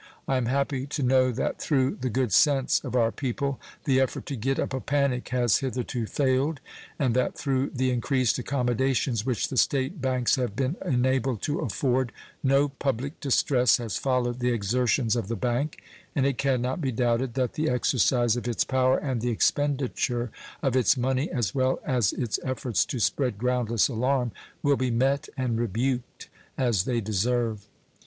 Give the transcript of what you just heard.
I am happy to know that through the good sense of our people the effort to get up a panic has hitherto failed, and that through the increased accommodations which the State banks have been enabled to afford, no public distress has followed the exertions of the bank, and it can not be doubted that the exercise of its power and the expenditure of its money, as well as its efforts to spread groundless alarm, will be met and rebuked as they deserve.